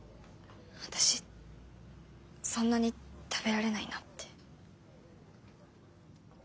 私そんなに食べられないなって。